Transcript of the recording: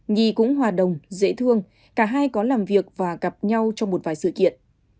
nhi cũng hòa đồng dễ thương cả hai có làm việc và gặp nhau trong một vài sự kiện